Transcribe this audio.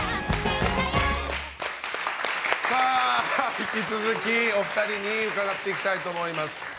引き続き、お二人に伺っていきたいと思います。